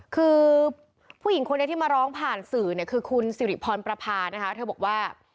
คือผู้หญิงคนนี้ที่มาร้องผ่านสื่อเนี่ยคือคุณสิริพรประพานะคะเธอบอกว่า